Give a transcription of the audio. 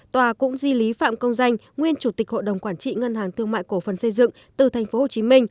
tòa cũng di lý phạm công danh nguyên chủ tịch hội đồng quản trị ngân hàng thương mại cổ phần xây dựng từ tp hcm